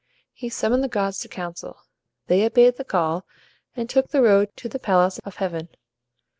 He summoned the gods to council. They obeyed the call, and took the road to the palace of heaven.